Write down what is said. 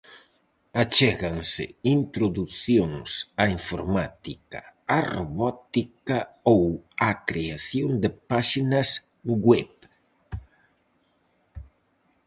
Achéganse introducións á informática, á robótica ou á creación de páxinas web.